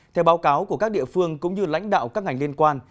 theo báo cáo của các địa phương cũng như lãnh đạo các ngành liên quan